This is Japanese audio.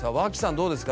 どうですか？